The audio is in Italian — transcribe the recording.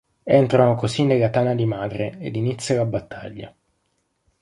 Entrano così nella tana di Madre ed inizia la battaglia.